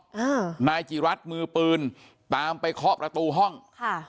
อ่านายจิรัตน์มือปืนตามไปเคาะประตูห้องค่ะ